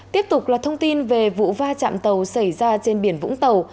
tiếp tục là thông tin về vụ va chạm tàu xảy ra trên biển vũng tàu